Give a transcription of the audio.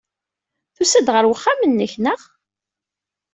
Tusa-d ɣer uxxam-nnek, naɣ?